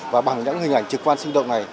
và bằng những hình ảnh trực quan sinh động này